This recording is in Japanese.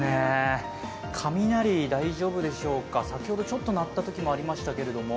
雷大丈夫でしょうか、先ほどちょっと鳴ったときもありましたけれども？